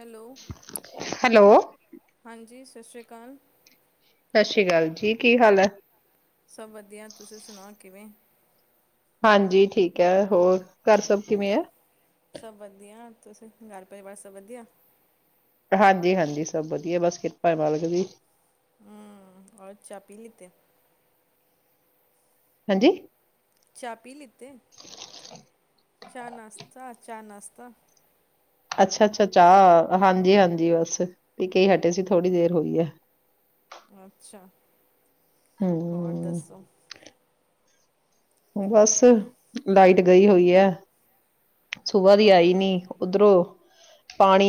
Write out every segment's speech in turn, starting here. Hello hello ਸਤਿ ਹਾਂਜੀ। ਸਤਿ ਸ਼੍ਰੀ ਅਕਾਲ। ਸਤਿ ਸ਼੍ਰੀ ਅਕਾਲ ਜੀ ਕੀ ਹਾਲ ਹੈ ਸਭ ਵਧੀਆ ਤੁਸੀਂ ਸੁਣਾ ਕਿਵੇਂ ਹਾਂਜੀ ਠੀਕ ਹੈ ਹੋਰ ਘਰ ਸਭ ਕਿਵੇਂ ਹੈ ਸਭ ਵਧੀਆ ਤੁਸੀਂ ਘਰ ਪਰਿਵਾਰ ਸਭ ਵਧੀਆ ਹਾਂਜੀ ਹਾਂਜੀ ਸਭ ਵਧੀਆ ਬਸ ਕਿਰਪਾ ਹੈ ਮਾਲਕ ਦੀ ਹਮ ਹੋਰ ਚਾਹ ਪੀ ਲਈ ਤੇ ਹਾਂਜੀ ਚਾਹ ਪੀ ਲਿੱਤੇ ਚਾਹ ਨਾਸ਼ਤਾ [unintelligible] ਅੱਛਾ ਅੱਛਾ ਚਾਹ ਹਾਂਜੀ ਹਾਂਜੀ ਬਸ ਠੀਕ ਹੈ ਪੀ ਹਟੇ ਸੀ ਥੋੜ੍ਹੀ ਦੇਰ ਹੋਈ ਹੈ ਅੱਛਾ ਹੋਰ ਹਮ ਦੱਸੋ ਬਸ ਲਾਈਟ ਗਈ ਹੋਈ ਹੈ ਸੁਬਾਹ ਦੀ ਆਈ ਹਾਂ ਨੀ ਉੱਧਰੋਂ ਪਾਣੀ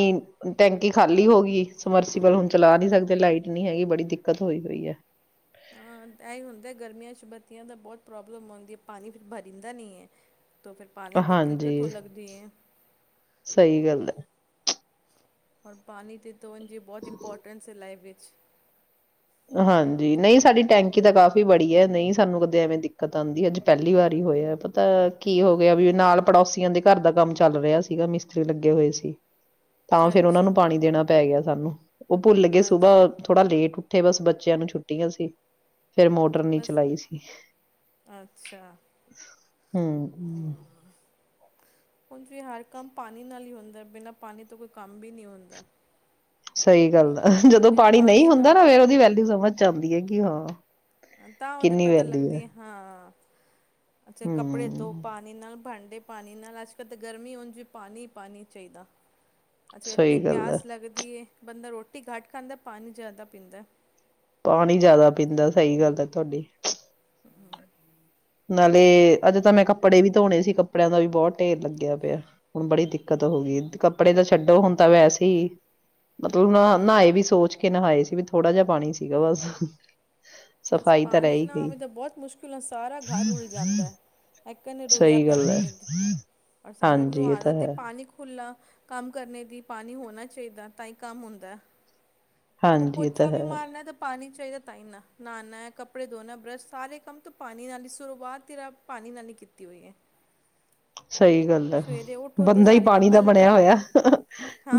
ਟੈਂਕੀ ਖਾਲੀ ਹੋ ਗਈ ਸਮਰਸੀਬਲ ਹੁਣ ਚਲਾ ਨਹੀਂ ਸਕਦੇ ਲਾਈਟ ਨਹੀਂ ਹੈਗੀ ਬੜੀ ਦਿੱਕਤ ਹੋਈ ਹੋਈ ਹੈ ਹਾਂ ਇਹੀ ਹੁੰਦਾ ਗਰਮੀਆਂ ਚ ਬੱਤੀਆਂ ਦਾ ਬਹੁਤ ਪ੍ਰੋਬਲਮ ਆਉਂਦੀ ਹੈ ਪਾਣੀ ਫਿਰ ਭਰੀਦਾ ਨਹੀਂ ਹੈ ਤਾਂ ਫਿਰ ਪਾਣੀ ਦੀ ਕਿਲਕਤ ਹਾਂਜੀ ਹੋ ਲੱਗਦੀ ਹੈ ਸਹੀ ਗੱਲ ਹੈ ਹੋਰ ਪਾਣੀ ਤੇ ਤਾਂ ਉਂਝ ਹੀ ਬਹੁਤ ਇੰਪੋਰਟੈਂਟਸ ਲਾਈਫ ਦੇ [unintelligible] ਹਾਂਜੀ ਨਹੀਂ ਸਾਡੀ ਟੈਂਕੀ ਤਾਂ ਕਾਫ਼ੀ ਬੜੀ ਹੈ ਨਹੀਂ ਸਾਨੂੰ ਕਦੇ ਐਵੇਂ ਦਿੱਕਤ ਆਉਂਦੀ ਅੱਜ ਪਹਿਲੀ ਵਾਰੀ ਹੋਇਆ ਪਤਾ ਕੀ ਹੋ ਗਿਆ ਵੀ ਨਾਲ ਪੜੋਸੀਆਂ ਦੇ ਘਰ ਦਾ ਕੰਮ ਚੱਲ ਰਿਹਾ ਸੀਗਾ ਮਿਸਤਰੀ ਲੱਗੇ ਹੋਏ ਸੀ ਤਾਂ ਫੇਿਰ ਉਹਨਾ ਨੂੰ ਅੱਛਾ ਪਾਣੀ ਦੇਣਾ ਪੈ ਗਿਆ ਸਾਨੂੰ ਉਹ ਭੁੱਲ ਗਏ ਅੱਛਾ ਸੁਬਹ ਥੋੜਾ ਲੇਟ ਉੱਠੇ ਬਸ ਬੱਚਿਆਂ ਨੂੰ ਛੁੱਟੀਆਂ ਸੀ। ਫਿਰ ਮੋਟਰ ਨੀ ਬਸ ਚਲਾਈ ਸੀ। ਅੱਛਾ ਹੂੰ ਹੁਣ ਹਰ ਕੰਮ ਪਾਣੀ ਨਾਲ ਹੀ ਹੁੰਦਾ ਬਿਨਾਂ ਪਾਣੀ ਤੋਂ ਕੋਈ ਕੰਮ ਵੀ ਨਹੀਂ ਹੁੰਦਾ। ਸਹੀ ਗੱਲ ਆ, ਜਦੋਂ ਪਾਣੀ ਨਹੀਂ ਹੁੰਦਾ ਨਾ ਫੇਰ ਉਹਦੀ ਵੈਲਿਊ ਸਮਝ 'ਚ ਆਂਦੀ ਹੈਗੀ। ਕੀ ਹਾਂ ਤਾਂ ਉਹਦੇ ਕਿੰਨੀ ਪਤਾ ਵੈਲਿਊ ਲੱਗਦੀ ਹੈ, ਏ ਹਾਂ। ਅੱਛੇ ਕੱਪੜੇ ਤੋਂ ਹੂੰ। ਪਾਣੀ ਨਾਲ ਬਣ ਠੰਡੇ ਪਾਣੀ ਨਾਲ ਅੱਜਕੱਲ੍ਹ ਤਾਂ ਗਰਮੀ ਹੋਣ ਪਾਣੀ-ਪਾਣੀ ਚਾਹੀਦਾ। ਅੱਛਾ ਸਹੀ ਇਤਨੀ ਗੱਲ ਹੈ, ਪਿਆਸ ਲਗਦੀ ਏ, ਬੰਦਾ ਰੋਟੀ ਰੋਟੀ ਘੱਟ ਖਾਂਦਾ ਪਾਣੀ ਜ਼ਿਆਦਾ ਪੀਂਦਾ। ਪਾਣੀ ਜਿਆਦਾ ਪੀਂਦਾ ਸਹੀ ਗੱਲ ਹੈ ਤੁਹਾਡੀ। ਨਾਲੇ ਅੱਜੇ ਤਾਂ ਮੈਂ ਕੱਪੜੇ ਵੀ ਧੋਣੇ ਸੀ ਕੱਪੜਿਆਂ ਦਾ ਵੀ ਬਹੁਤ ਢੇਰ ਲੱਗਿਆ ਪਿਆ ਹੁਣ ਬੜੀ ਦਿੱਕਤ ਹੋ ਗਈ। ਕੱਪੜੇ ਤਾਂ ਛੱਡੋ ਹੁਣ ਤਾਂ ਵੈਸੇ ਹੀ ਮਤਲਬ ਨਾ ਨਹਾਏ ਵੀ ਸੋਚ ਕੇ ਨਹਾਏ ਸੀ ਵੀ ਥੋੜਾ ਜਿਹਾ ਪਾਣੀ ਸੀਗਾ ਬਸ। ਸਫ਼ਾਈ ਤਾਂ ਰਹਿ ਪਾਣੀ ਹੀ ਨਾ ਗਈ। ਆਵੇ ਤਾਂ ਬਹੁਤ ਮੁਸ਼ਕਿਲ ਆ ਸਾਰਾ ਘਰ ਰੁਲ ਜਾਂਦਾ। ਇੱਕਨ ਰੁਲਿਆ ਸਹੀ ਗੱਲ ਹੈ ਪੈਂਦਾ, ਔਰ ਸਾਨੂੰ ਵੀ ਉਹ ਹਾਂਜੀ ਇਹ ਤਾਂ ਆਦਤ ਏ ਹੈ ਪਾਣੀ ਖੁੱਲਾ ਕੰਮ ਕਰਨੇ ਦੀ ਪਾਣੀ ਹੋਣਾ ਚਾਹੀਦਾ ਤਾਂ ਹੀ ਕੰਮ ਹੁੰਦਾ। ਦੇਖੋ ਹਾਂਜੀ ਇਹ ਤਾਂ ਪੋਚਾ ਵੀ ਹੈ ਮਾਰਨਾ ਤੇ ਪਾਣੀ ਚਾਹੀਦਾ ਤਾਂ ਈ ਨਾ। ਨਹਾਣਾ, ਕੱਪੜੇ ਧੋਣਾ, ਬਰੱਸ਼ ਸਾਰੇ ਕੰਮ ਤਾਂ ਪਾਣੀ ਨਾਲ ਹੀ ਸ਼ੁਰੂਆਤ ਹੀ ਰੱਬ ਪਾਣੀ ਨਾਲ ਹੀ ਕੀਤੀ ਹੋਈ ਹੈ। ਸਹੀ ਗੱਲ ਹੈ। ਸਵੇਰੇ ਉੱਠੋ ਤਾਂ ਬੰਦਾ ਹੀ ਸਾਰੇ ਕੰਮ ਪਾਣੀ ਦਾ ਪਹਿਲੇ ਤਾਂ, ਬਣਿਆ ਹੋਇਆ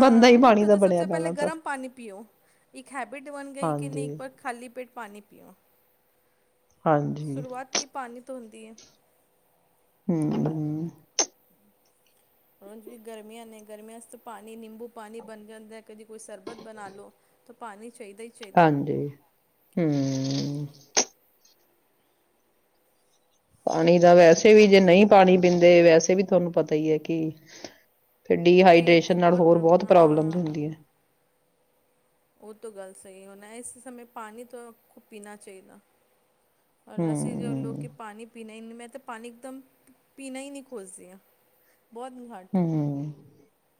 ਬੰਦਾ ਹੀ ਪਾਣੀ ਉੱਠੋ ਦਾ ਤੇ ਬਣਿਆ ਸਭਸੇ ਪਹਿਲੇ ਪਹਿਲਾਂ ਤਾਂ ਗਰਮ ਪਾਣੀ ਪੀਓ। ਇੱਕ ਹੈਬਿਟ ਬਣ ਗਈ ਕਿ ਨਹੀਂ ਹਾਂਜੀ। ਪਰ ਖਾਲੀ ਪੇਟ ਪਾਣੀ ਪੀਓ। ਹਾਂਜੀ ਸ਼ੁਰੂਆਤ ਈ ਪਾਣੀ ਤੋ ਹੁੰਦੀ ਹੈ। ਹੂੰ-ਹੂੰ ਹੂੰ ਜਿਵੇਂ ਗਰਮੀਆਂ ਨੇ ਗਰਮੀਆਂ ਵਿੱਚ ਤਾਂ ਪਾਣੀ ਨਿੰਬੂ ਪਾਣੀ ਬਣ ਜਾਂਦਾ ਹੈ ਕਦੀ ਕੋਈ ਸਰਬਤ ਬਣਾ ਲਉ ਤਾਂ ਪਾਣੀ ਚਾਹੀਦਾ ਹੀ ਚਾਹੀਦਾ ਹਾਂਜੀ ਹੂੰ। [unintelligible] ਪਾਣੀ ਦਾ ਵੈਸੇ ਵੀ ਜੇ ਨਹੀਂ ਪਾਣੀ ਪੀਂਦੇ ਵੈਸੇ ਵੀ ਤੁਹਾਨੂੰ ਪਤਾ ਹੀ ਹੈ ਕਿ ਫਿਰ ਪੇਟ ਦੇ ਡੀਹਾਈਡ੍ਰੇਸ਼ਨ ਨਾਲ ਹੋਰ ਪ੍ਰੋ- ਬਹੁਤ ਪ੍ਰੋਬਲਮ ਹਾਂ ਹੁੰਦੀਆ। ਉਹ ਤੋਂ ਗੱਲ ਸਹੀ ਹੁਣ ਇਸ ਸਮੇਂ ਪਾਣੀ ਤੋਂ ਪੀਣਾ ਚਾਹੀਦਾ। ਔਰ ਅਸੀਂ ਜੋ ਲੋਕ ਹੂੰ ਕੇ ਪਾਣੀ ਪੀਣੇ ਮੈਂ ਤਾਂ ਪਾਣੀ ਇਕਦਮ, ਪੀਣਾ ਹੀ ਨਹੀਂ ਖੋਜਦੀ ਹਾਂ। ਬਹੁਤ ਘੱਟ ਹੂੰ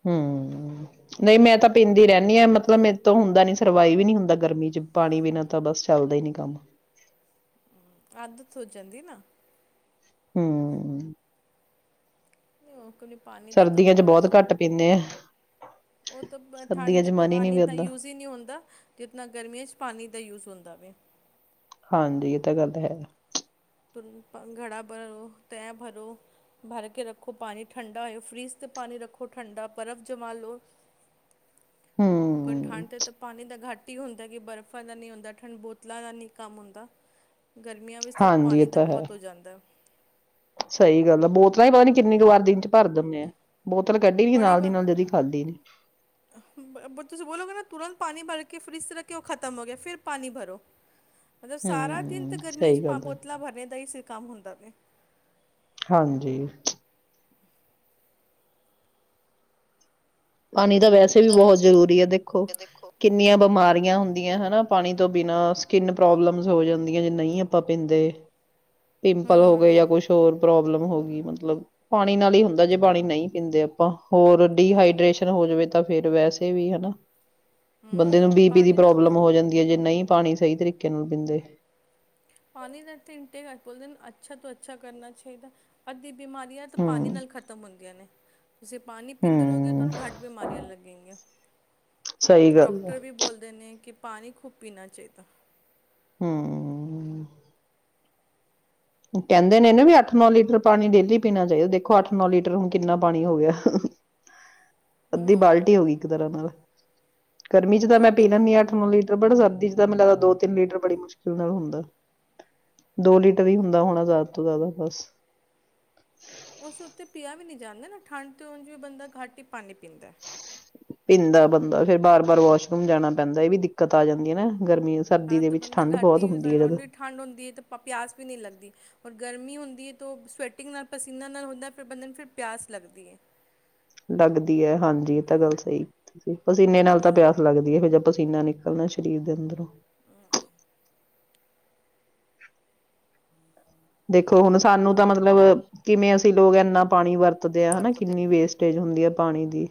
ਹੂੰ ਨਹੀਂ ਮੈਂ ਤਾਂ ਪੀਂਦੀ ਰਹਿੰਨੀ ਹਾਂ ਮਤਲਬ ਮੇਰੇ ਤੋਂ ਹੁੰਦਾ ਨੀ ਸਰਵਾਈਵ ਹੀ ਨੀ ਹੁੰਦਾ ਗਰਮੀ 'ਚ ਪਾਣੀ ਬਿਨਾਂ ਤਾਂ ਬਸ ਚੱਲਦਾ ਹੀ ਨੀ ਕੰਮ। ਆਦਤ ਹੋ ਜਾਂਦੀ ਨਾ ਹੂੰ ਨਹੀਂ ਉਹ ਕੁ ਪਾਣੀ ਦਾ ਤਾਂ ਸਰਦੀਆਂ 'ਚ ਬਹੁਤ ਘੱਟ ਪੀਂਦੇ ਆ ਉਹ ਤਾਂ ਠੰਡ ਸਰਦੀਆਂ ਦੇ 'ਚ ਮਨ ਹੀ ਨਹੀਂ ਪਾਣੀ ਇਨਾ ਕਰਦਾ ਯੂਜ ਹੀ ਨਹੀਂ ਹੁੰਦਾ ਜਤਨਾ ਗਰਮੀਆਂ 'ਚ ਪਾਣੀ ਦਾ ਯੂਜ ਹੁੰਦਾ ਵਵੇ ਹਾਂਜੀ ਇਹ ਤਾਂ ਗੱਲ ਹੈ ਘੜਾ ਭਰੋ ਤੈ ਭਰੋ ਭਰ ਕੇ ਰੱਖੋ ਪਾਣੀ ਠੰਡਾ ਹੋਇ ਫ੍ਰੀਜ਼ ਤੇ ਪਾਣੀ ਰੱਖੋ ਠੰਡਾ ਬਰਫ਼ ਜਮ ਲ ਲੋ ਉਹ ਹੂੰ ਠੰਡ ਤੇ ਤਾਂ ਪਾਣੀ ਦਾ ਘੱਟ ਹੁੰਦਾ ਕਿ ਬਰਫ਼ਾਂ ਦਾ ਨਹੀ ਹੁੰਦਾ ਠੰਡ ਬੋਤਲਾਂ ਦਾ ਨਹੀਂ ਕੰਮ ਹੁੰਦਾ ਗਰਮੀਆਂ ਵਿੱਚ ਤਾਂ ਹਾਂਜੀ ਇਹ ਪਾਣੀ ਤਾਂ ਹੈ ਬਹੁਤ ਹੋ ਜਾਂਦਾ ਸਹੀ ਗੱਲ ਆ ਬੋਤਲਾਂ ਹੀ ਪਤਾ ਨੀ ਕਿੰਨੀ ਕੁ ਵਾਰ ਦਿਨ ਚ ਭਰ ਦਨੇ ਆ ਬੋਤਲ ਕੱਢੀ ਨਹੀਂ ਬੜੀ ਨਾਲ ਦੀ ਵ ਨਾਲ ਜਦੀ ਖਾਧੀ ਨੇ ਤੁਸੀਂ ਬੋਲੋਗੇ ਨਾ ਤੁਰੰਤ ਪਾਣੀ ਭਰ ਕੇ ਰ ਫਰਿਜ਼ ਰੱਖ ਉਹ ਖਤਮ ਹੋ ਗਿਆ ਫਿਰ ਪਾਣੀ ਭਰੋ ਮਤਲਬ ਸਾਰਾ ਦਿਨ ਹੂੰ, ਤੇ ਗਰਮੀਆਂ ਸਹੀ ਚ ਗੱਲ ਹੈ, ਬੋਤਲਾਂ ਭਰਨ ਦਾ ਹੀ ਸ ਕੰਮ ਹੁੰਦਾ ਨੇ ਹਾਂਜੀ ਪਾਣੀ ਤਾਂ ਵੈਸੇ ਵੀ ਬਹੁਤ ਜ਼ਰੂਰੀ ਆ ਦੇਖੋ ਕਿੰਨੀਆਂ ਬਿਮਾਰੀਆਂ ਹੁੰਦੀਆਂ ਹਨਾ ਪਾਣੀ ਤੋਂ ਬਿਨਾ ਸਕਿਨ ਪ੍ਰੋਬਲਮ ਹੋ ਜਾਂਦੀਆਂ ਜੇ ਨਹੀਂ ਆਪਾਂ ਪੀਂਦੇ ਪਿੰਪਲ ਹੋ ਗਏ ਜਾਂ ਹੂੰ ਕੁਛ ਹੋਰ ਪ੍ਰੋਬਲਮ ਹੋ ਗਈ ਮਤਲਬ ਪਾਣੀ ਨਾਲ ਹੀ ਹੁੰਦਾ ਜੇ ਪਾਣੀ ਨਹੀਂ ਪੀਂਦੇ ਆਪਾਂ ਹੋਰ ਡੀਹਾਈਡੇਸ਼ਨ ਹੋ ਜਾਵੇ ਤਾਂ ਫੇਰ ਵੈਸੇ ਵੀ ਹਨਾ ਬੰਦੇ ਨੂੰ ਹੂੰ ਬੀ ਪੀ ਦੀ ਪਾਣੀ ਨਾਲ ਤਾਂ ਪ੍ਰੋਬਲਮ ਹੋ ਜਾਂਦੀ ਹੈ ਜੇ ਨਹੀਂ ਪਾਣੀ ਸਹੀ ਤਰੀਕੇ ਨਾਲ ਪੀਂਦੇ ਪਾਣੀ ਦਾ ਬੋਲਦੇ ਅੱਛਾ ਤੋਂ ਅੱਛਾ ਕਰਨਾ ਚਾਹੀਦਾ ਦੀ ਬਿਮਾਰੀ ਆ ਤੇ ਪਾਣੀ ਹੂੰ। ਨਾਲ ਖਤਮ ਹੁੰਦੀਆਂ ਨੇ ਤੁਸੀਂ ਪਾਣੀ ਪੀਂਦੇ ਰਹੋਗੇ ਹੂੰ, ਤੁਹਾਨੂੰ ਘੱਟ ਬਿਮਾਰੀਆਂ ਲੱਗਣਗੀਆਂ ਸਹੀ ਤੇ ਗੱਲ ਹੈ ਡਾਕਟਰ ਵੀ ਬੋਲਦੇ ਨੇ ਕਿ ਪਾਣੀ ਖੁਬ ਪੀਣਾ ਚਾਹੀਦਾ ਹੂੰ ਕਹਿੰਦੇ ਨੇ ਨਾ ਵੀ ਅੱਠ ਨੌ ਲੀਟਰ ਪਾਣੀ ਡੇਲੀ ਪੀਣਾ ਚਾਹੀਦਾ ਦੇਖੋ ਅੱਠ ਨੌ ਲੀਟਰ ਹੁਣ ਕਿੰਨਾ ਪਾਣੀ ਹੋ ਗਿਆ ਅੱਧੀ ਬਾਲਟੀ ਹੋ ਗਈ ਇੱਕ ਤਰ੍ਹਾਂ ਨਾਲ ਗਰਮੀ ਚ ਤਾਂ ਉਹ ਮੈਂ ਪੀ ਤੋਂ ਲੈਂਦੀ ਹਾਂ ਅੱਠ ਨੌ ਲੀਟਰ ਬੜਾ ਜ਼ਿਆਦਾ ਜਦ ਮੈਨੂੰ ਲੱਗਦਾ ਦੋ ਤਿੰਨ ਲੀਟਰ ਬੜੀ ਮੁਸ਼ਕਿਲ ਨਾਲ ਹੁੰਦਾ ਦੋ ਲੀਟਰ ਵੀ ਹੁੰਦਾ ਹੋਣਾ ਜ਼ਿਆਦਾ ਤੋਂ ਜ਼ਿਆਦਾ ਬਸ ਉਸ ਉੱਥੇ ਪੀਆ ਵੀ ਨਹੀ ਜਾਂਦੇ ਨਾ ਠੰਢ ਤੇ ਵੀ ਬੰਦਾ ਘੱਟ ਹੀ ਪਾਣੀ ਪੀਂਦਾ ਪੀਂਦਾ ਬੰਦਾ ਫਿਰ ਬਾਰ ਬਾਰ ਵਾਸ਼ਰੂਮ ਜਾਣਾ ਪੈਂਦਾ ਇਹ ਵੀ ਦਿੱਕਤ ਆ ਜਾਂਦੀ ਹੈ ਨਾ ਗਰਮੀ ਸਰਦੀ ਹਾਂ ਦੇ ਤਾਂ ਵਿੱਚ ਬੰਦਾ ਠੰਡ ਘੱਟ ਬਹੁਤ ਹੀ ਯੂਜ ਹੁੰਦੀ ਹੈ ਕਰਦਾ ਜਦ ਜਿੜੀ ਠੰਢ ਹੁੰਦੀ ਹੈ ਤੇ ਪਿਆਸ ਵੀ ਨਹੀਂ ਲੱਗਦੀ ਔਰ ਗਰਮੀ ਹੁੰਦੀ ਤ ਸਵੈਟਿੰਗ ਨਾਲ ਪਸੀਨਾ ਨਾਲ ਹੁੰਦਾ ਫਿਰ ਬੰਦੇ ਨੂੰ ਫਿਰ ਪਿਆਸ ਲੱਗਦੀ ਹੈ ਲੱਗਦੀ ਹੈ ਹਾਂਜੀ ਇਹ ਤਾਂ ਗੱਲ ਸਹੀ ਪਸੀਨੇ ਨਾਲ ਤਾਂ ਪਿਆਸ ਲੱਗਦੀ ਹੈ ਫ ਜ ਪਸੀਨਾ ਨਿਕਲਣਾ ਸਰੀਰ ਦੇ ਅੰਦਰੋਂ ਦੇਖੋ ਹੁਣ ਸਾਨੂੰ ਤਾਂ ਮਤਲਬ ਕਿਵੇਂ ਅਸੀਂ ਲੋਕ ਇੰਨਾ ਪਾਣੀ ਵਰਤ ਨਹੀਂ ਆ ਹਨਾ ਵਰਤਦੇ ਕਿੰਨੀ ਵੇਸਟ ਹੋਈ ਹੁੰਦੀ ਹੈ ਪਾਣੀ ਦੀ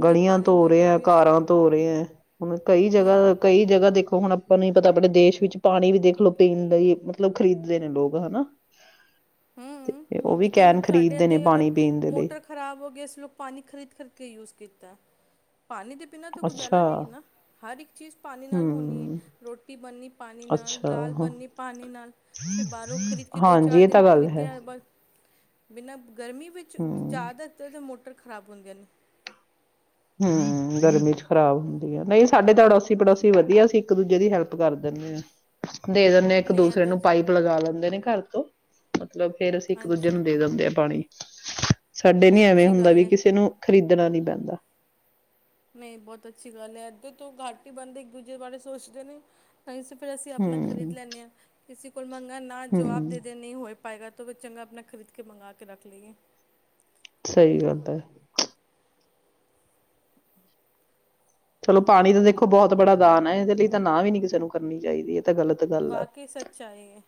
ਨਹੀਂ ਗਲੀਆਂ ਪਾਣੀ ਨੂੰ ਧੋ ਤਾਂ ਰਹੇ ਇੱਕਦਮ ਹੈ ਵੇਸਟ ਕਾਰਾਂ ਨਹੀਂ ਧੋ ਰਹੇ ਹੈ ਹੁਣ ਕਈ ਹੂੰ ਜਗ੍ਹਾ ਕਈ ਜਗ੍ਹਾ ਦੇਖੋ ਹੁਣ ਆਪਾਂ ਨੂੰ ਪਤਾ ਆਪਣੇ ਦੇਸ਼ ਵਿੱਚ ਪਾਣੀ ਵੀ ਦੇਖ ਲਓ ਪੀਣ ਲਈ ਮਤਲਬ ਖਰੀਦਦੇ ਨੇ ਲੋਕ ਹਨਾ ਤੇ ਉਹ ਹਮ ਵੀ ਕੈਨ ਜੇਕਨ ਸਾਡੇ ਖਰੀਦਦੇ ਨੇ ਪਾਣੀ ਅਗਰ ਪੀਣ ਦੇ ਲਈ ਮੋਟਰ ਖ਼ਰਾਬ ਹੋ ਗ ਅਂ ਲੋਕ ਪਾਣੀ ਖਰੀਦ ਕਰਕੇ ਯੂਜ ਕੀਤਾ ਪਾਣੀ ਦੇ ਬਿਨਾਂ ਤਾਂ ਗੁਜ਼ਾਰਾ ਅੱਛਾ ਨਹੀਂ ਹੈ ਨਾ ਹਰ ਇੱਕ ਚੀਜ਼ ਪਾਣੀ ਨਾਲ ਹੋਣੀ ਹੈ ਹਮ ਰੋਟੀ ਬਣਨੀ ਪਾਣੀ ਨਾਲ ਅੱਛਾ ਦਾਲ ਹ- ਬਣਨੀ ਪਾਣੀ ਨਾਲ ਫਿਰ ਬਾਹਰੋਂ ਖ਼ਰੀਦ ਕੇ ਦੋ ਹਾਂਜੀ ਚਾਰ ਇਹ ਦਿਨ ਤਾਂ ਗੱਲ ਹੈ ਖਰੀਦਿਆ ਬਿਨਾਂ ਗਰਮੀ ਵਿੱਚ ਹਮ ਜਾਦਾ ਮੋਟਰ ਖਰਾਬ ਹੁੰਦੀਆਂ ਨੇ ਹਮ ਗਰਮੀ ਚ ਖਰਾਬ ਹੁੰਦੀ ਆ ਨਹੀਂ ਸਾਡੇ ਤਾਂ ਅੜੋਸੀ ਪੜੋਸੀ ਵਧੀਆ ਅਸੀਂ ਇੱਕ ਦੂਜੇ ਦੀ ਹੈਲਪ ਕਰ ਦਿੰਦੇ ਹਾਂ ਦੇ ਦਿੰਦੇ ਇੱਕ ਨਹੀਂ ਆ ਦੂਸਰੇ ਤਾਂ ਨੂੰ ਪਾਈਪ ਲਗਾ ਲੈਂਦੇ ਨੇ ਘਰ ਤੋਂ ਮਤਲਬ ਫੇਰ ਅਸੀਂ ਇੱਕ ਦੂਜੇ ਅੱਛਾ ਨੂੰ ਦੇ ਦਿੰਦੇ ਆਾਂ ਪਾਣੀ ਸਾਡੇ ਨੀ ਨਹੀਂ ਐਵੇਂ ਅੱਛੀ ਹੁੰਦਾ ਗੱਲ ਵੀ ਹੈ ਕਿਸੇ ਨੂੰ ਖਰੀਦ ਜਾਣਾ ਨੀ ਪੈਂਦਾ ਨਹੀਂ ਬਹੁਤ ਅੱਛੀ ਗੱਲ ਹੈ ਇੱਧੇ ਤੋਂ ਘਾਟੀ ਬੰਦੇ ਇੱਕ ਦੂਜੇ ਬਾਰੇ ਸੋਚਦੇ ਨੇ ਤਾਂ ਸ ਫਿਰ ਅਸੀਂ ਆਪਣਾ ਖਰੀਦ ਹਮ ਲੈਂਦੇ ਹਾਂ ਕਿਸਸੀ ਕੋੂਰ ਮੰੰ ਨਾ ਜਵਾਬ ਹਮ ਦੇ ਦੇ ਨਹੀਂ ਹੋ ਪਾਏਗਾ ਫਿਰ ਚੰਗਾ ਆਪਣਾ ਖਰੀਦ ਕੇ ਮੰਗਾ ਕੇ ਰੱਖ ਲਈਏ ਸਹੀ ਗੱਲ ਤਾਂ ਚਲੋ ਪਾਣੀ ਦਾ ਦੇਖੋ ਬਹੁਤ ਬੜਾ ਦਾਨ ਹੈ ਇਹਦੇ ਲਈ ਤਾਂ ਨਾ ਵੀ ਨੀ ਕਿਸੇ ਨੂੰ ਕਰਨੀ ਚਾਹੀਦੀ ਹੈ ਵਾਕਈ ਸੱਚਾਏ ਹੈ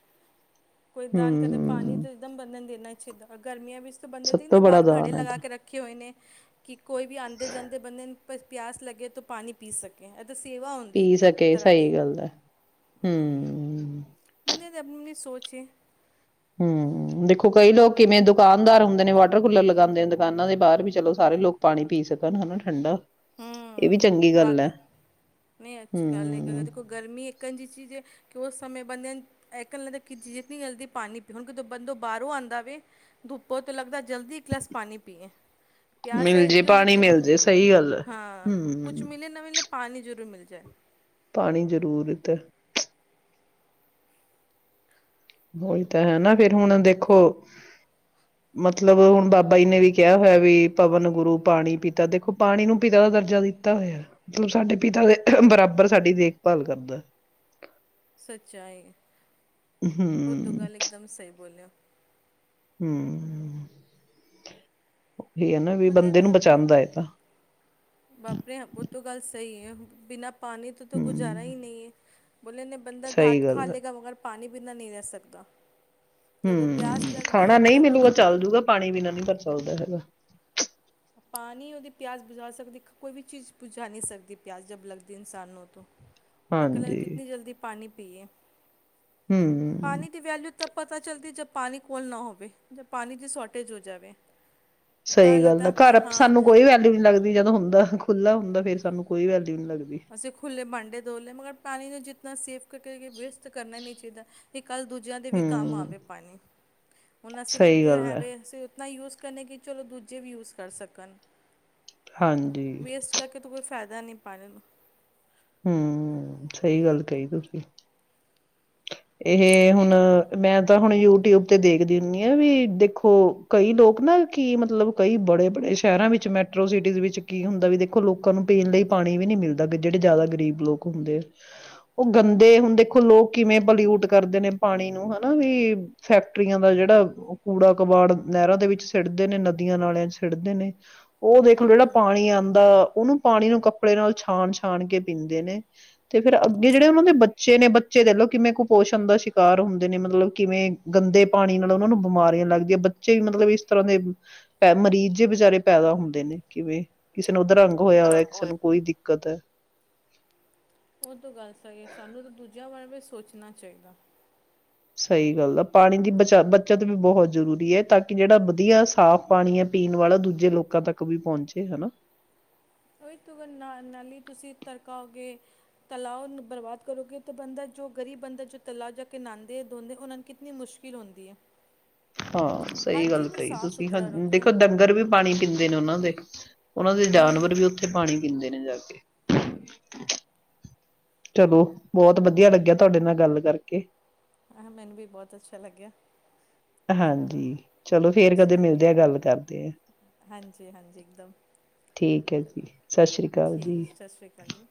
ਕੋਈ ਦਾਨ ਕਦੇ ਪਾਣੀ ਹਮ ਤਾਂ ਇਕਦਮ ਬੰਦਨ ਦੇਣਾ ਇੱਛੇਾਂ ਗਰਮੀਆਂ ਵਿੱਚ ਤਾਂ ਬੰਦੇ ਸਭ ਦੇਦੇ ਤੋਂ ਬੜਾ ਬਾਹਰ ਗੜੇ ਦਾਨ ਹੈ ਲਗਾ ਤਾਂ ਕੇ ਰੱਖੇ ਹੋਏ ਨੇ ਕਿ ਕੋਈ ਵੀ ਆਉਂਦੇ ਜਾਂਦੇ ਬੰਦੇ ਨੂੰ ਪਿਆਸ ਲੱਗੇ ਤਾਂ ਪਾਣੀ ਪੀ ਸਕੇ ਤਾਂ ਸੇਵਾ ਹੁੰਦੀ ਪੀ ਇੱਕ ਸਕੇ ਤਰ੍ਹਾਂ ਦੀ ਸਹੀ ਗੱਲ ਹੈ ਹਮ ਉਹਦੇ ਤਾਂ ਆਪਣੀ ਆਪਣੀ ਸੋਚ ਹੈ ਹਮ ਦੇਖੋ ਕਈ ਲੋਕ ਕਿਵੇਂ ਦੁਕਾਨਦਾਰ ਹੁੰ ਨੇ ਵਾਟਰ ਕੂਲਰ ਲਗਾਉਦੇ ਨੇ ਦੁਕਾਨਾਂ ਦੇ ਬਾਹਰ ਵੀ ਚਲੋ ਸਾਰੇ ਲੋਕ ਪਾਣੀ ਪੀ ਸਕਣ ਹਨਾ ਠੰਡਾ ਇਹ ਵੀ ਹਮ ਚੰਗੀ ਗੱਲ ਹੈ ਬਾਕੀ ਨਹੀਂ ਅੱਛੀ ਗੱਲ ਹੈ ਹਮ ਦੇਖੋ ਗਰਮੀ ਇੱਕੰ ਜਹੀ ਚੀਜ਼ ਹੈ ਕਿ ਉਸ ਸਮੇਂ ਬੰਦੇਿਆਂ ਨੂੰ ਇਹ ਕਹਿਣ ਲੱਗਦਾ ਕਿ ਜਤਨੀ ਜਲਦੀ ਪਾਣੀ ਪੀਓ ਹੁਣ ਕਿਦੋਂ ਬੰਦੋਂ ਬਾਹਰੋਂ ਆਉਂਦਾਵੇ ਧੁਪੋ ਤਾਂ ਲੱਗਦਾ ਜਲਦੀ ਇੱਕ ਗਲਾਸ ਪਾਣੀ ਪੀਏ ਮਿਲ ਜੇ ਪਾਣੀ ਮਿਲ ਜੇ ਸਹੀ ਗੱਲ ਹੈ ਹਾਂ ਕੁੱਛ ਹਮ ਮਿਲੇ ਨਾ ਮਲੇ ਪਣੀ ਜ਼ਰੂਰ ਮਿਲ ਜਾਏ ਪਾਣੀ ਜ਼ਰੂਰਤ ਆ ਉਹੀ ਤਾਂ ਹੈ ਨਾ ਫਿਰ ਹੁਣ ਦੇਖੋ ਮਤਲਬ ਹੁਣ ਬਾਬਾ ਜੀ ਨੇ ਵੀ ਕਿਹਾ ਹੋਇਆ ਵੀ ਪਵਨ ਗੁਰੂ ਪਾਣੀ ਪਿਤਾ ਦੇਖੋ ਪਾਣੀ ਨੂੰ ਪਿਤਾ ਦਾ ਦਰਜਾ ਦਿੱਤਾ ਹੋਇਆ ਮਤਲਬ ਸਾਡੇ ਪਿਤਾ ਦੇ ਬਰਾਬਰ ਸਾਡੀ ਦੇਖਭਾਲ ਕਰਦਾ ਸੱਚਾਈ ਉਹ ਤੋਂ ਹਮ ਗੱਲ ਇੱਕਦਮ ਸਹੀ ਬੋਲਿਆ ਹਮ ਇਹ ਹੈ ਨਾ ਵੀ ਬੰਦੇ ਦੇ ਨੂੰ ਆਪਣੇ ਬਚਾਉਂਦਾ ਹੈ ਤਾਂ [unintelligible] ਉਹ ਤੋਂ ਗੱਲ ਸਹੀ ਆ ਬਿਨਾਂ ਪਾਣੀ ਤਾਂ ਗੁਜ਼ਾਰਾ ਹਮ ਹੀ ਨਹੀਂ ਹੈ ਬੋਲੇ ਨਾ ਬੰਦਾ ਸਹੀ ਘਾਟ ਖਾ ਗੱਲ ਹੈ ਲੇਗਾ ਮਗਰ ਪਾਣੀ ਬਿਨਾ ਨਹੀਂ ਰਹਿ ਸਕਦਾ ਹਮ ਖਾਣਾ ਨਹੀਂ ਮਿਲੂਗਾ ਚੱਲ ਜੂਗਾ ਪਾਣੀ ਬਿਨਾਂ ਨੀ ਪਰ ਚੱਲਦਾ ਹੈ [unintelligible] ਪਾਣੀ ਉਹਦੀ ਪਿਆਸ ਬੁਝਾ ਸਕਦੀ ਕੋਈ ਵੀ ਚੀਜ਼ ਬੁਝਾ ਨਹੀਂ ਸਕਦੀ ਪਿਆਸ ਜਬ ਲੱਗਦੀ ਇਨਸਾਨ ਨੂੰ ਉਹ ਤੋਂ [unintelligible] ਹਾਂਜੀ ਕਿਤਨੀ ਜਲਦੀ ਪਾਣੀ ਪੀਏ ਹਮ ਹਮ ਹਮ ਤਬ ਪਤਾ ਚੱਲਦੀ ਜਬ ਪਾਣੀ ਕੋਲ ਨਾ ਹੋਵੇ ਜਦ ਪਾਣੀ ਦੀ ਸ਼ੋਰਟੇਜ ਹੋ ਜਾਵੇ ਤਾਂ ਸਹੀ ਗੱਲ ਆ ਲੱਗਦਾ ਕਿ ਘਰ ਹਾਂ ਸਾਨੂੰ ਕੋਈ ਵੈਲਿਊ ਨੀ ਲੱਗਦੀ ਜਦੋਂ ਹੁੰਦਾ ਖੁੱਲਾ ਹੁੰਦਾ ਫੇਰ ਸਾਨੂੰ ਕੋਈ ਨਹੀਂ ਲੱਗਦੀ ਅਸੀਂ ਖੁੱਲੇ ਭਾਂਡੇ ਧੋਲੇ ਮਗਰ ਪਾਣੀ ਨੇ ਜਿਤਨਾ ਸੇਫ ਕਰਕੇ ਵੇਸਟ ਕਰਨਾ ਨਹੀ ਚਾਹੀਦਾ ਕੱਲ ਦੂਜਿਆਂ ਦੇ ਵੀ ਕੰਮ ਹਮ ਆਵੇ ਪਾਣੀ ਹੁਣ ਅਸੀਂ ਸਹੀ ਲੋਕ ਗੱਲ ਹੈ ਹੈਗੇ ਅਸੀਂ ਉਤਨਾ ਯੂਜ ਕਹਿੰਦੇ ਕਿ ਚਲੋ ਦੂਜੇ ਵੀ ਯੂਜ ਕਰ ਸਕਣ ਹਾਂਜੀ ਵੇਸਟ ਕਰਕੇ ਤੂੰ ਫਾਇਦਾ ਨਹੀਂ ਪਾਣ ਨੂੰ ਹਮ ਸਹੀ ਗੱਲ ਕਹੀ ਤੁਸੀਂ ਇਹ ਹੁਣ ਮੈਂ ਤਾਂ ਹੁਣ ਯੂਟਿਊਬ ਤੇ ਦੇਖਦੀ ਹੁੰਦੀ ਆ ਵੀ ਦੇਖੋ ਕਈ ਲੋਕ ਨਾ ਕੀ ਮਤਲਬ ਕਈ ਬੜੇ ਬੜੇ ਸ਼ਹਿਰਾਂ ਵਿੱਚ ਮੈਟਰੋ ਸਿਟੀਜ਼ ਵਿੱਚ ਕੀ ਹੁੰਦਾ ਵੀ ਦੇਖੋ ਲੋਕਾਂ ਨੂੰ ਪੀਣ ਲਈ ਪਾਣੀ ਵੀ ਨੀ ਮਿਲਦਾ ਜਿਹੜੇ ਜ਼ਿਆਦਾ ਗ਼ਰੀਬ ਲੋਕ ਹੁੰਦੇ ਆ ਉਹ ਗੰਦੇ ਹੁਣ ਦੇਖੋ ਲੋਕ ਕਿਵੇਂ ਪਲਿਊਟ ਕਰਦੇ ਨੇ ਪਾਣੀ ਨੂੰ ਹਨਾ ਵੀ ਫੈਕਟਰੀਆਂ ਦਾ ਜਿਹੜਾ ਕੂੜਾ ਕਬਾੜ ਨਹਿਰਾਂ ਦੇ ਵਿੱਚ ਸਿੱੜਦੇ ਨੇ ਨਦੀਆਂ ਨਾਲਿਆਂ ਚ ਸਿੱਟਦੇ ਨੇ ਉਹ ਦੇਖੋ ਜਿਹੜਾ ਹੂੰ ਪਾਣੀ ਆਉਂਦਾ ਉਹਨੂੰ ਪਾਣੀ ਨੂੰ ਕੱਪੜੇ ਨਾਲ ਛਾਣ ਛਾਣ ਕੇ ਪੀਂਦੇ ਨੇ ਤੇ ਫੇਰ ਅੱਗੇ ਜਿਹੜੇ ਉਹਨਾਂ ਦੇ ਬੱਚੇ ਨੇ ਬੱਚੇ ਦੇ ਲਓ ਕਿਵੇਂ ਕੁਪੋਸ਼ਣ ਦਾ ਸ਼ਿਕਾਰ ਹੁੰਦੇ ਨੇ ਮਤਲਬ ਕਿਵੇਂ ਗੰਦੇ ਪਾਣੀ ਨਾਲ ਉਹਨਾਂ ਨੂੰ ਬਿਮਾਰੀਆਂ ਲੱਗਦੀਆਂ ਬੱਚੇ ਵੀ ਮਤਲਬ ਇਸ ਤਰ੍ਹਾਂ ਦੇ ਪ ਮਰੀਜ਼ ਜੇ ਵਿਚਾਰੇ ਪੈਦਾ ਹੁੰਦੇ ਨੇ ਕਿਵੇਂ ਕਿਸੇ ਨੂੰ ਉੱਧਰੰ ਹੋਯਾ ਹੋਇਆ ਕਿਸੇ ਨੂੰ ਕੋਈ ਦਿੱ ਦਿੱਕਤ ਹੈ। ਉਹ ਤੋਂ ਗੱਲ ਸਹੀ ਹੈ ਸਾਨੂੰ ਤਾਂ ਦੂਜਿਆਂ ਬਾਰੇ ਵੀ ਸੋਚਣਾ ਚਾਹੀਦਾ। ਸਹੀ ਗੱਲ ਆ ਪਾਣੀ ਦੀ ਬਚਾ ਬੱਚਤ ਵੀ ਬਹੁਤ ਜ਼ਰੂਰੀ ਹੈ ਤਾਂ ਕਿ ਜਿਹੜਾ ਵਧੀਆ ਸਾਫ਼ ਪਾਣੀ ਹੈ ਪੀਣ ਵਾਲਾ ਦੂਜੇ ਲੋਕਾਂ ਤੱਕ ਵੀ ਪਹੁੰਚੇ ਹਨਾ। ਉਹ ਤ ਨਾਲੀ ਤੁਸੀਂ ਤੜਕਾਓਗੇ ਤਲਾ ਬਰਬਾਦ ਕਰੋਗੇ ਤਾਂ ਬੰਦਾ ਜੋ ਗ਼ਰੀਬ ਬੰਦਾ ਜੋ ਤਲਾ ਜਾ ਕੇ ਨਹਾਉਂਦੇ ਧੋਂਦੇ ਉਹਨਾਂ ਨੂੰ ਕਿਤਨੀ ਮੁਸ਼ਕਿਲ ਹੁੰਦੀ ਹੈ। ਹਾਂ ਹਰ ਸਹੀ ਗੱਲ ਚੀਜ਼ ਨੂੰ ਕਹੀ ਸਾਫ਼ ਤੁਸੀਂ ਹਾਂ ਸੁਥਰਾ ਰੱਖੋ ਦੇਖੋ ਡੰਗਰ ਵੀ ਪਾਣੀ ਪੀਂਦੇ ਨੇ ਉਹਨਾਂ ਦੇ। ਉਹਨਾਂ ਦੇ ਜਾਨਵਰ ਹੂੰ ਵੀ ਉੱਥੇ ਪਾਣੀ ਪੀਂਦੇ ਨੇ ਜਾ ਕੇ ਚਲੋ ਬਹੁਤ ਵਧੀਆ ਲੱਗਿਆ ਤੁਹਾਡੇ ਨਾਲ ਗੱਲ ਕਰਕੇ। ਆਹ ਮੈਨੂੰ ਵੀ ਬਹੁਤ ਅੱਛਾ ਲੱਗਿਆ। ਚਲੋ ਹਾਂਜੀ ਚਲੋ ਫੇਰ ਕਦੇ ਠੀਕ ਮਿਲਦੇ ਆਂ ਗੱਲ ਕਰਦੇ ਆ, ਹਾਂਜੀ ਹਾਂਜੀ ਇੱਕਦਮ ਠੀਕ ਹੈ ਜੀ ਚਲੋ ਸਤਿ ਸ਼੍ਰੀ ਅਕਾਲ ਜੀ। ਠੀਕ ਸਤਿ ਸ਼੍ਰੀ ਅਕਾਲ ਜੀ